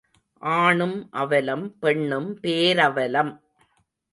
ஆணும் அவலம் பெண்ணும் பேரவலம்.